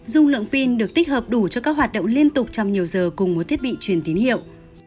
dung lượng pin được tích hợp đủ cho các hoạt động liên tục trong nhiều giờ cùng một thiết bị truyền tín hiệu